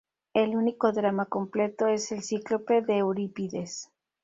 El único drama completo es "El Cíclope" de Eurípides.